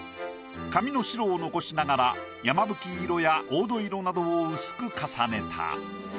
紙の白を残しながらやまぶき色や黄土色などを薄く重ねた。